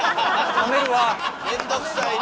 冷めるわ。